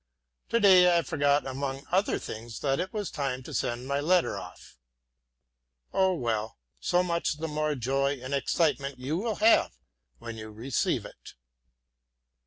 Today I forgot among other things that it was time to send my letter off. Oh well, so much the more joy and excitement will you have when you receive it.